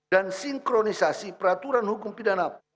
dan sinkronisasi peraturan hukum pidana